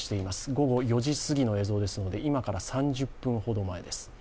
午後４時すぎの映像ですので、今から３０分ほど前です。